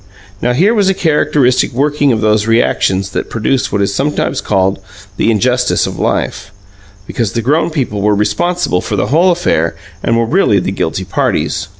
Now, here was a characteristic working of those reactions that produce what is sometimes called "the injustice of life", because the grown people were responsible for the whole affair and were really the guilty parties.